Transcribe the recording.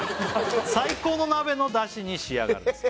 「最高の鍋のだしに仕上がります」